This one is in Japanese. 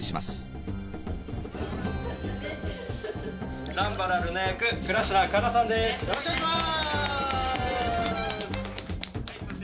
よろしくお願いします！